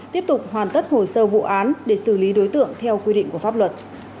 tiếp tục hoàn tất hồ sơ vụ án để xử lý đối tượng theo quy định của pháp luật